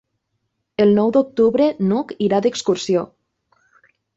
El nou d'octubre n'Hug irà d'excursió.